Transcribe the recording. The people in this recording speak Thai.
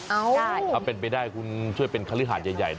เอาได้ถ้าเป็นไปได้คุณช่วยเป็นคฤหาสใหญ่นะ